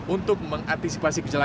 untuk mengantisipasi kemampuan